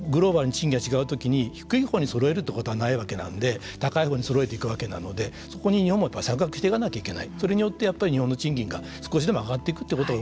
大きく見るとグローバルに賃金が違う時に低いほうにそろえるってことはないわけなんで高い方にそろえていくわけなのでそこに日本も参画していかなきゃいけない。